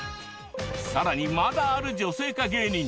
さらにまだある女性化芸人